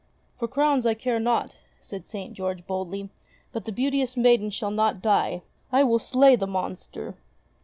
"For crowns I care not," said St. George boldly, "but the beauteous maiden shall not die. I will slay the monster."